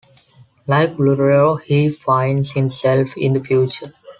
Like Bulero, he finds himself in the future.